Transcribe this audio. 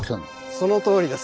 そのとおりです。